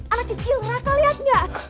anak kecil raka liat gak